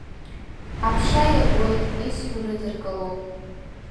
Аԥша иагоит, исҳәо рыдыркылом.